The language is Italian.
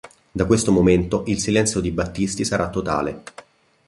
Da questo momento il silenzio di Battisti sarà totale.